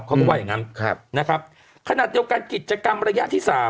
เขาก็ว่าอย่างนั้นนะครับขณะเดียวกันกิจกรรมระยะที่๓